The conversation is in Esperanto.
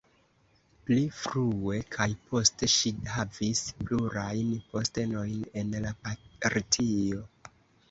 Pli frue kaj poste ŝi havis plurajn postenojn en la partio.